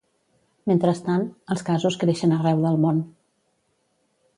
Mentrestant, els casos creixen arreu del món.